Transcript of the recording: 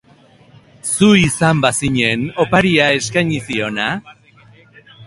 Zu izan bazinen oparia eskaini ziona?